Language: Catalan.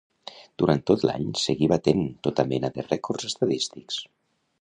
Durant tot l'any seguí batent tota mena de rècords estadístics.